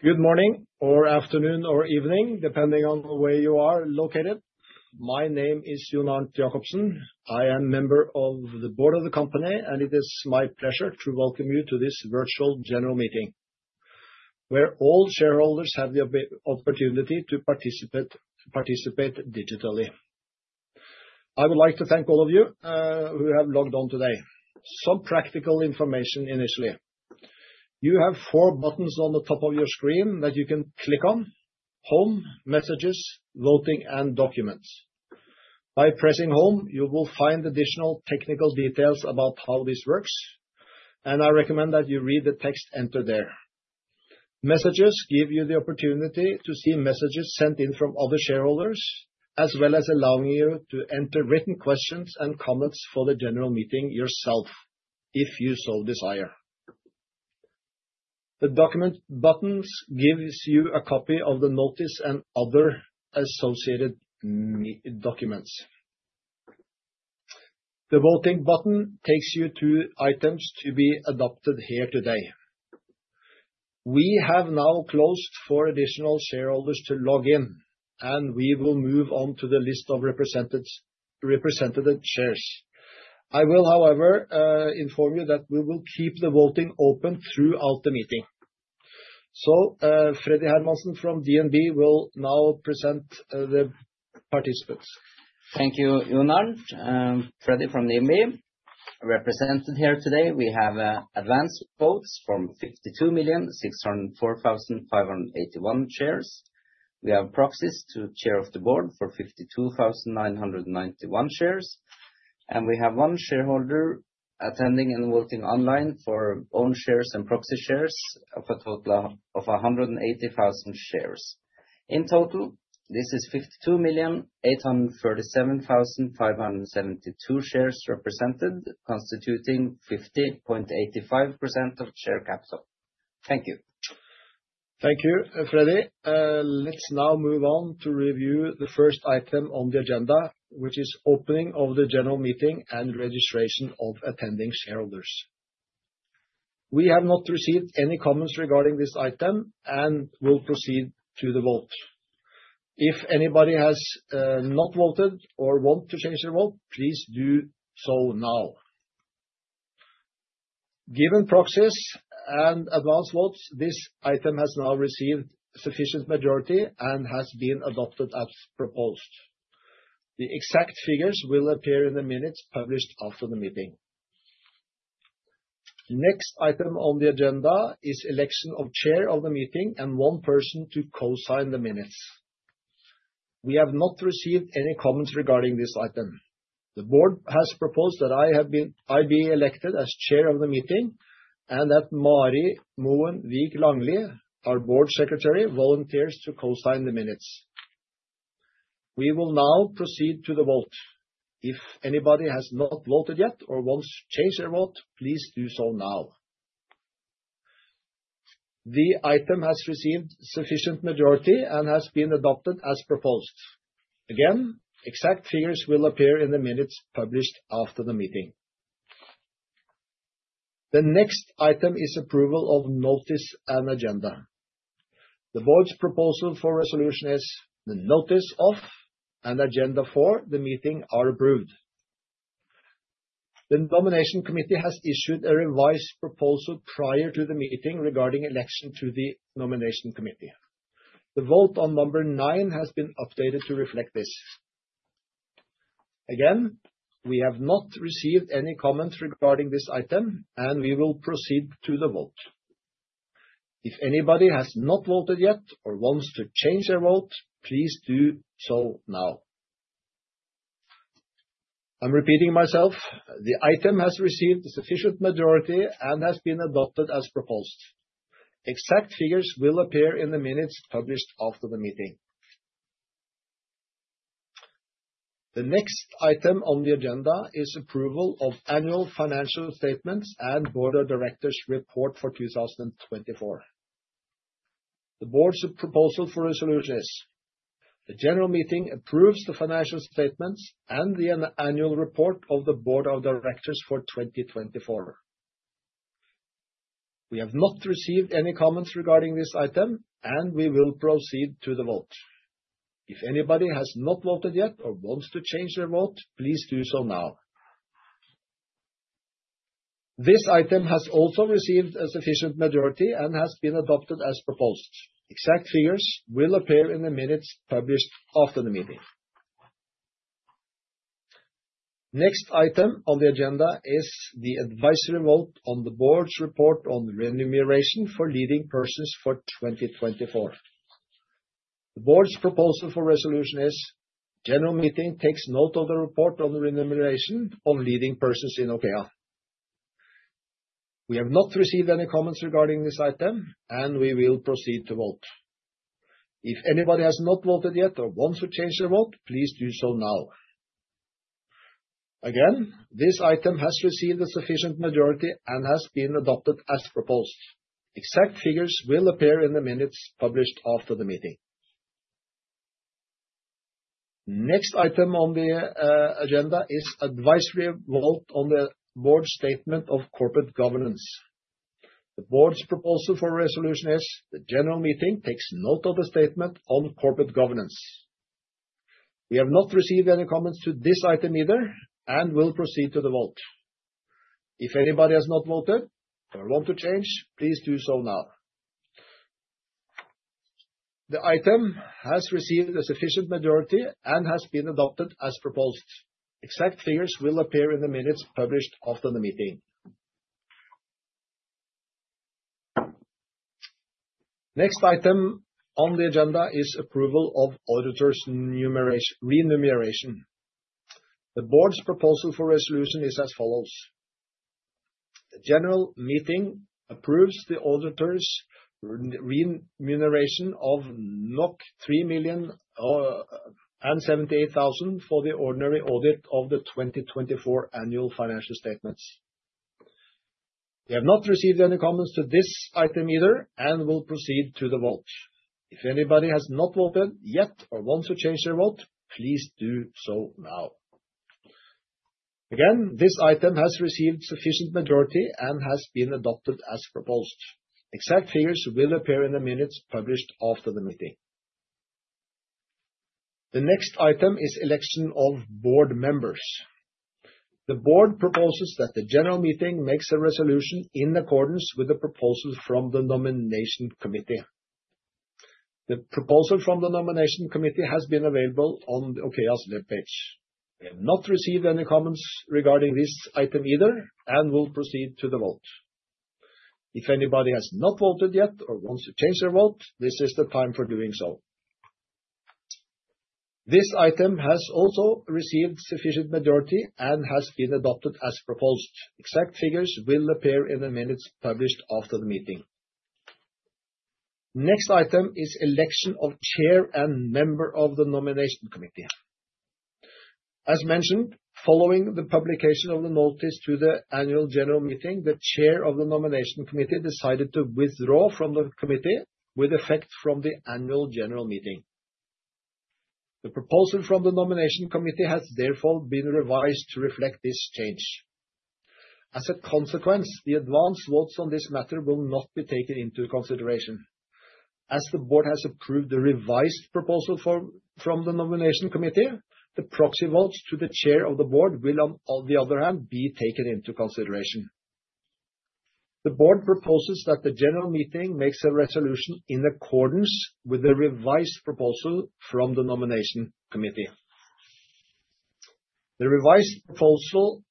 Good morning, or afternoon, or evening, depending on where you are located. My name is Jon Arnt Jacobsen. I am a member of the board of the company, and it is my pleasure to welcome you to this virtual general meeting, where all shareholders have the opportunity to participate digitally. I would like to thank all of you who have logged on today. Some practical information initially. You have four buttons on the top of your screen that you can click on: Home, Messages, Voting, and Documents. By pressing Home, you will find additional technical details about how this works, and I recommend that you read the text entered there. Messages give you the opportunity to see messages sent in from other shareholders, as well as allowing you to enter written questions and comments for the general meeting yourself, if you so desire. The Document buttons give you a copy of the notice and other associated documents. The Voting button takes you to items to be adopted here today. We have now closed for additional shareholders to log in, and we will move on to the list of represented shares. I will, however, inform you that we will keep the voting open throughout the meeting. Freddy Hermansen from DNB will now present the participants. Thank you, Jon Arnt. Freddy from DNB represented here today. We have advance votes from 52,604,581 shares. We have proxies to Chair of the Board for 52,991 shares, and we have one shareholder attending and voting online for own shares and proxy shares of a total of 180,000 shares. In total, this is 52,847,572 shares represented, constituting 50.85% of share capital. Thank you. Thank you, Freddy. Let's now move on to review the first item on the agenda, which is opening of the general meeting and registration of attending shareholders. We have not received any comments regarding this item and will proceed to the vote. If anybody has not voted or wants to change their vote, please do so now. Given proxies and advance votes, this item has now received sufficient majority and has been adopted as proposed. The exact figures will appear in the minutes published after the meeting. Next item on the agenda is election of chair of the meeting and one person to co-sign the minutes. We have not received any comments regarding this item. The board has proposed that I be elected as chair of the meeting and that Marit Moen Vik-Langlie, our board secretary, volunteers to co-sign the minutes. We will now proceed to the vote. If anybody has not voted yet or wants to change their vote, please do so now. The item has received sufficient majority and has been adopted as proposed. Again, exact figures will appear in the minutes published after the meeting. The next item is approval of notice and agenda. The board's proposal for resolution is the notice of and agenda for the meeting are approved. The nomination committee has issued a revised proposal prior to the meeting regarding election to the nomination committee. The vote on number nine has been updated to reflect this. Again, we have not received any comments regarding this item, and we will proceed to the vote. If anybody has not voted yet or wants to change their vote, please do so now. I'm repeating myself. The item has received a sufficient majority and has been adopted as proposed. Exact figures will appear in the minutes published after the meeting. The next item on the agenda is approval of annual financial statements and board of directors report for 2024. The board's proposal for resolution is the general meeting approves the financial statements and the annual report of the board of directors for 2024. We have not received any comments regarding this item, and we will proceed to the vote. If anybody has not voted yet or wants to change their vote, please do so now. This item has also received a sufficient majority and has been adopted as proposed. Exact figures will appear in the minutes published after the meeting. Next item on the agenda is the advisory vote on the board's report on remuneration for leading persons for 2024. The board's proposal for resolution is general meeting takes note of the report on remuneration on leading persons in OKEA. We have not received any comments regarding this item, and we will proceed to vote. If anybody has not voted yet or wants to change their vote, please do so now. Again, this item has received a sufficient majority and has been adopted as proposed. Exact figures will appear in the minutes published after the meeting. Next item on the agenda is advisory vote on the board statement of corporate governance. The board's proposal for resolution is the general meeting takes note of the statement on corporate governance. We have not received any comments to this item either and will proceed to the vote. If anybody has not voted or wants to change, please do so now. The item has received a sufficient majority and has been adopted as proposed. Exact figures will appear in the minutes published after the meeting. Next item on the agenda is approval of auditors' remuneration. The board's proposal for resolution is as follows. The general meeting approves the auditors' remuneration of 3,078,000 for the ordinary audit of the 2024 annual financial statements. We have not received any comments to this item either and will proceed to the vote. If anybody has not voted yet or wants to change their vote, please do so now. Again, this item has received sufficient majority and has been adopted as proposed. Exact figures will appear in the minutes published after the meeting. The next item is election of board members. The board proposes that the general meeting makes a resolution in accordance with the proposal from the nomination committee. The proposal from the nomination committee has been available on OKEA's web page. We have not received any comments regarding this item either and will proceed to the vote. If anybody has not voted yet or wants to change their vote, this is the time for doing so. This item has also received sufficient majority and has been adopted as proposed. Exact figures will appear in the minutes published after the meeting. Next item is election of chair and member of the nomination committee. As mentioned, following the publication of the notice to the annual general meeting, the chair of the nomination committee decided to withdraw from the committee with effect from the annual general meeting. The proposal from the nomination committee has therefore been revised to reflect this change. As a consequence, the advance votes on this matter will not be taken into consideration. As the board has approved the revised proposal from the nomination committee, the proxy votes to the chair of the board will, on the other hand, be taken into consideration. The board proposes that the general meeting makes a resolution in accordance with the revised proposal from the nomination committee. The revised proposal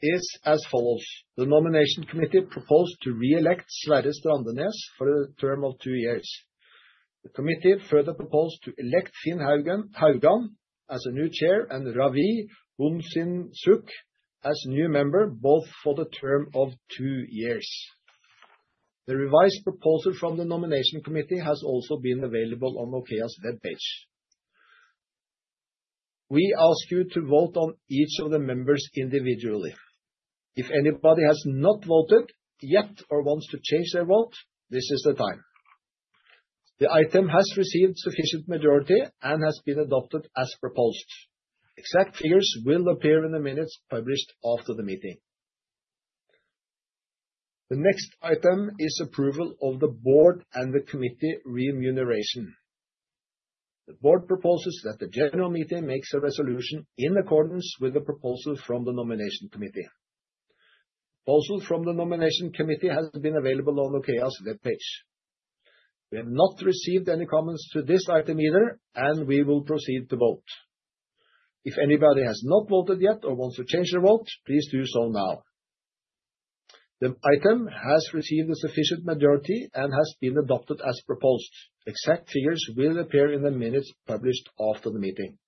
is as follows. The nomination committee proposed to re-elect Sverre Strandenes for a term of two years. The committee further proposed to elect Finn Haugan as a new chair and Rawee Boonsinsukh as a new member, both for the term of two years. The revised proposal from the nomination committee has also been available on OKEA's web page. We ask you to vote on each of the members individually. If anybody has not voted yet or wants to change their vote, this is the time. The item has received sufficient majority and has been adopted as proposed. Exact figures will appear in the minutes published after the meeting. The next item is approval of the board and the committee remuneration. The board proposes that the general meeting makes a resolution in accordance with the proposal from the nomination committee. The proposal from the nomination committee has been available on OKEA's web page. We have not received any comments to this item either, and we will proceed to vote. If anybody has not voted yet or wants to change their vote, please do so now. The item has received a sufficient majority and has been adopted as proposed. Exact figures will appear in the minutes published after the meeting.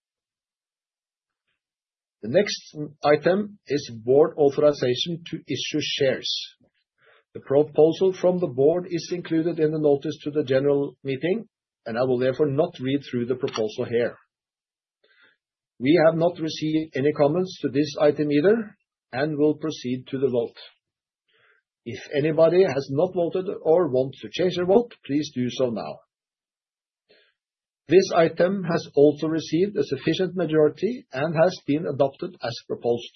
The next item is board authorization to issue shares. The proposal from the board is included in the notice to the general meeting, and I will therefore not read through the proposal here. We have not received any comments to this item either and will proceed to the vote. If anybody has not voted or wants to change their vote, please do so now. This item has also received a sufficient majority and has been adopted as proposed.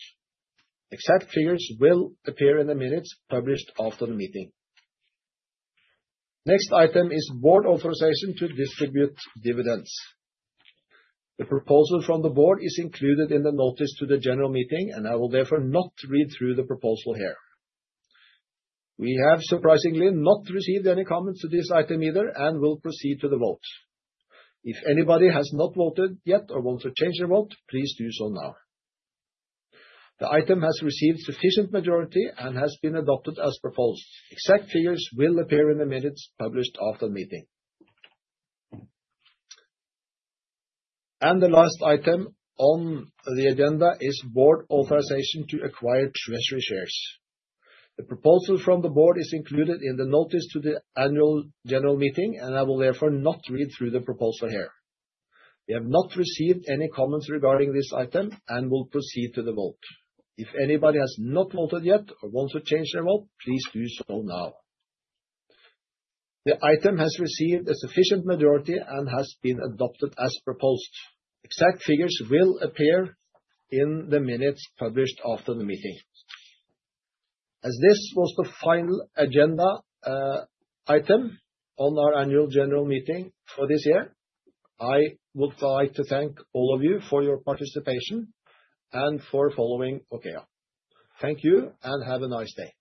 Exact figures will appear in the minutes published after the meeting. The next item is board authorization to distribute dividends. The proposal from the board is included in the notice to the general meeting, and I will therefore not read through the proposal here. We have surprisingly not received any comments to this item either and will proceed to the vote. If anybody has not voted yet or wants to change their vote, please do so now. The item has received sufficient majority and has been adopted as proposed. Exact figures will appear in the minutes published after the meeting. The last item on the agenda is board authorization to acquire treasury shares. The proposal from the board is included in the notice to the annual general meeting, and I will therefore not read through the proposal here. We have not received any comments regarding this item and will proceed to the vote. If anybody has not voted yet or wants to change their vote, please do so now. The item has received a sufficient majority and has been adopted as proposed. Exact figures will appear in the minutes published after the meeting. As this was the final agenda item on our annual general meeting for this year, I would like to thank all of you for your participation and for following OKEA. Thank you and have a nice day.